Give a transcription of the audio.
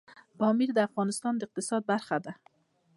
پامیر د افغانستان د اقتصاد برخه ده.